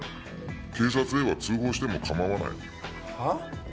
警察へは通報しても構わない」はあ？